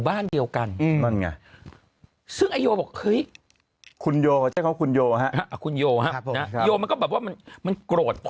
บ้านเดียวกันคุณโยคุณโยคุณโยคุณโยมันก็แบบว่ามันโกรธพอ